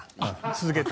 続けて。